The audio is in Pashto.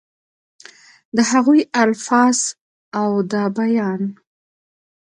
دَ هغوي الفاظ او دَ بيان